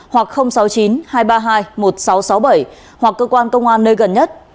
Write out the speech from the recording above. hoặc sáu mươi chín hai trăm ba mươi hai một nghìn sáu trăm sáu mươi bảy hoặc cơ quan công an nơi gần nhất